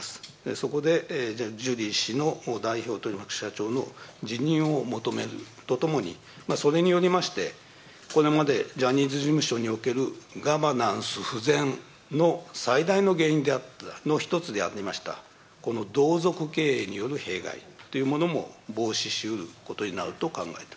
そこでジュリー氏の代表取締役社長の辞任を求めるとともに、それによりまして、これまでジャニーズ事務所におけるガバナンス不全の最大の原因の１つでありました、この同族経営による弊害というものも防止しうることになると考え